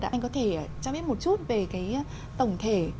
anh có thể cho biết một chút về cái tổng thể